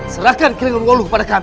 serahkan kilangan wulu kepada kami